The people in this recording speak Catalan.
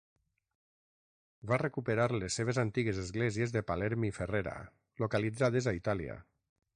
Va recuperar les seves antigues esglésies de Palerm i Ferrera localitzades a Itàlia.